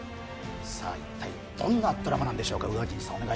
一体どんなドラマなんでしょうか。